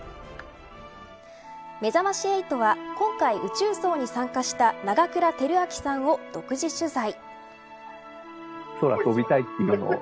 めざまし８は今回、宇宙葬に参加した長倉輝明さんを独自取材。